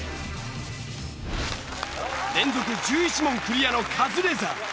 連続１１問クリアのカズレーザー。